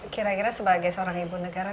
kira kira sebagai seorang ibu negara